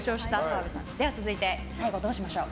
続いて、最後どうしましょう。